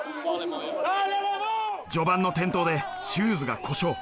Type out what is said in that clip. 序盤の転倒でシューズが故障。